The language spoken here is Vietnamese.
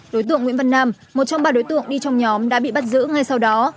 đối tượng nguyễn văn nam một trong ba đối tượng đi trong nhóm đã bị bắt giữ ngay sau đó